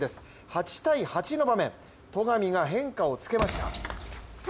８−８の場面、戸上が変化を付けました。